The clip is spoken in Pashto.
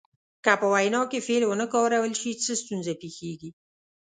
که په وینا کې فعل ونه کارول شي څه ستونزه پیښیږي.